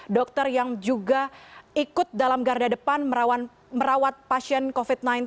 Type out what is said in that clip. dokter yang juga ikut dalam garda depan merawat pasien covid sembilan belas